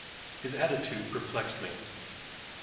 His attitude perplexed me.